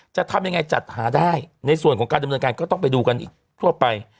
จะทำยังไงจัดหาได้ในส่วนของการดำเนินการก็ต้องไปดูกันอีกทั่วไป